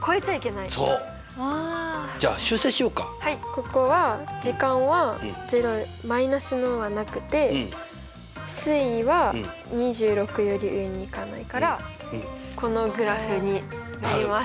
ここは時間はマイナスのはなくて水位は２６より上に行かないからこのグラフになります。